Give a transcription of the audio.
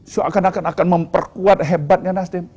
soal akan akan akan memperkuat hebatnya nasdem